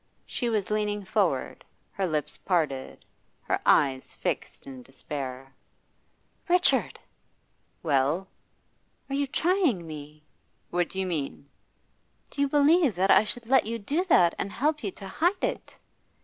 She was leaning forward, her lips parted, her eyes fixed in despair. 'Richard!' 'Well?' 'Are you trying me?' 'What do you mean?' 'Do you believe that I should let you do that and help you to hide it?